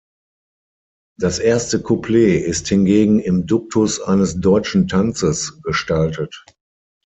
Das erste Couplet ist hingegen im Duktus eines "Deutschen Tanzes" gestaltet.